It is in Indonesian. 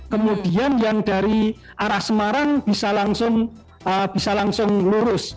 kemudian yang dari arah semarang bisa langsung lurus